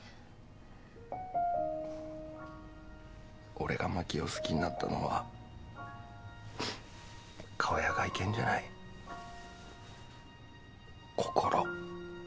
俺が真紀を好きになったのは顔や外見じゃない心。